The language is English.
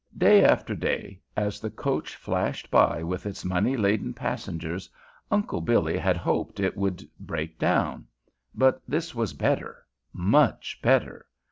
Day after day, as the coach flashed by with its money laden passengers, Uncle Billy had hoped that it would break down. But this was better, much better.